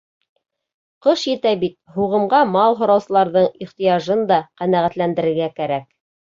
Ҡыш етә бит, һуғымға мал һораусыларҙың ихтыяжын да ҡәнәғәтләндерергә кәрәк.